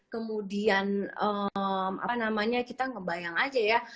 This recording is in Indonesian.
kemudian apa namanya kita ngebayang aja ya